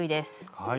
はい。